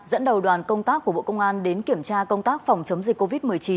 dẫn đầu đoàn công tác của bộ công an đến kiểm tra công tác phòng chống dịch covid một mươi chín